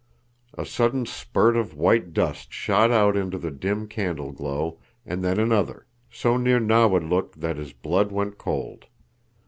A sudden spurt of white dust shot out into the dim candle glow, and then another, so near Nawadlook that his blood went cold.